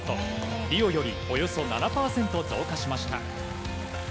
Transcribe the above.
リオよりおよそ７％増加しました。